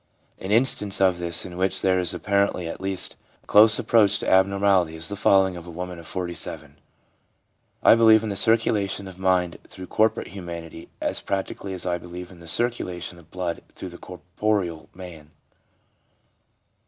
An instance of this in which there is apparently at least a close approach to abnormality is the following of a woman of 47 :' I believe in the circulation of mind through corporate humanity as practically as I believe in the circulation of blood through the corporeal man.